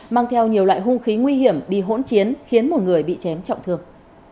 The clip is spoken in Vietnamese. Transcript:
mang theo nhiều loại hung khí nguy hiểm đi hỗn chiến khiến một người bị chém trọng thương